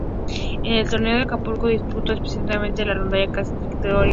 En el Torneo de Acapulco, disputó exitosamente la ronda clasificatoria.